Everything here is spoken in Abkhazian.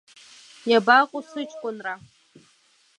Иабаҟоу сыҷкәынра?